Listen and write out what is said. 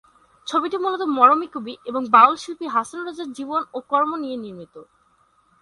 ছবিটি মূলত মরমী কবি এবং বাউল শিল্পী হাছন রাজার জীবন ও কর্ম নিয়ে নির্মিত।